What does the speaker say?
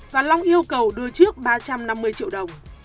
và long yêu cầu đưa trước ba trăm năm mươi triệu đồng